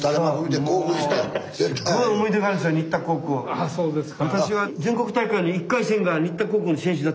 ああそうですか。